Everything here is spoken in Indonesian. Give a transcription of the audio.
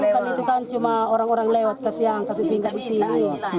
kali itu kan cuma orang orang lewat ke siang kasih singkat di sini